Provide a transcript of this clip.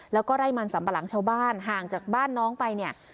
แล้วก็ไร่มันสัมปะหลังชาวบ้านห่างจากบ้านน้องไปเนี่ย